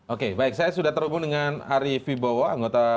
oke baik saya sudah terhubung dengan ari fibowo anggota